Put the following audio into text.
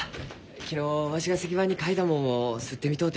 昨日わしが石版に描いたもんを刷ってみとうて。